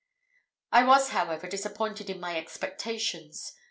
I was, however, disappointed in my expectations.